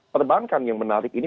perbankan yang menarik ini